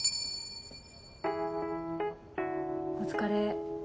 お疲れ。